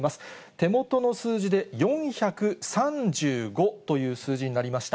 手元の数字で４３５という数字になりました。